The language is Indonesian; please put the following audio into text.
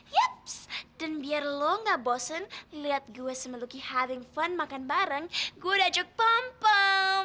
yups dan biar lo gak bosen liat gue sama lucky having fun makan bareng gue ajak pom pom